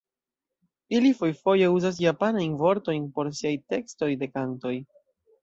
Ili fojfoje uzas japanajn vortojn por siaj tekstoj de kantoj.